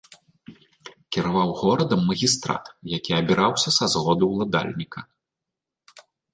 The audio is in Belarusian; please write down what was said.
Кіраваў горадам магістрат, які абіраўся са згоды ўладальніка.